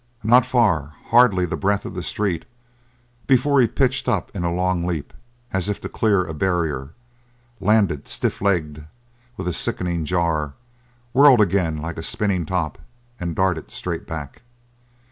Not far hardly the breadth of the street before he pitched up in a long leap as if to clear a barrier, landed stiff legged with a sickening jar, whirled again like a spinning top, and darted straight back.